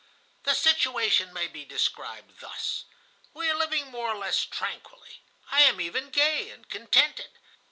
"The situation may be described thus. We are living more or less tranquilly. I am even gay and contented.